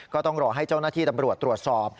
ก็ต้องรอให้เจ้าหน้าที่ตำรวจตรวจสอบ